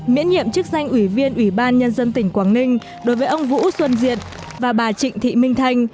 miễn nhiệm chức danh ủy viên ubnd quảng ninh đối với ông vũ xuân diệt và bà trịnh thị minh thanh